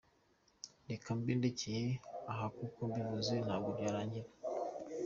Reka mbe ndekeye aha kuko mbivuze ntabwo byarangira.